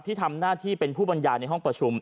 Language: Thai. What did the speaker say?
ที่ทำหน้าที่เป็นผู้บรรยายในห้องประชุม